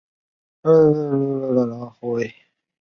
在场上司职中后卫。